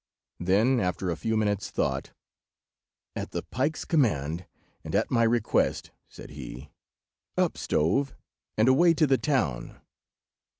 Then after a few minutes' thought— "At the pike's command, and at my request," said he, "up stove, and away to the town."